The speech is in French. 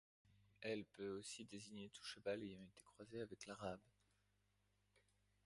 Elle peut aussi désigner tout cheval ayant été croisé avec l'Arabe.